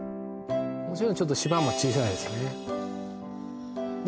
もちろんちょっと島も小さいですねで